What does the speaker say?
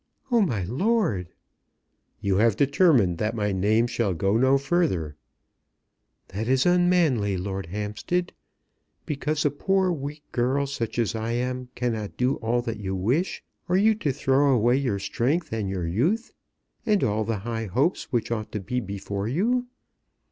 "Oh, my lord!" "You have determined that my name shall go no further." "That is unmanly, Lord Hampstead. Because a poor weak girl such as I am cannot do all that you wish, are you to throw away your strength and your youth, and all the high hopes which ought to be before you?